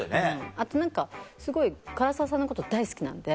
あと何かすごい唐沢さんのこと大好きなんで。